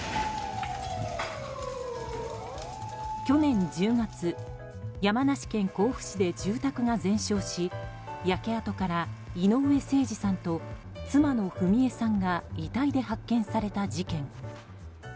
去年１０月山梨県甲府市で住宅が全焼し焼け跡から井上盛司さんと妻の章恵さんが遺体で発見された事件。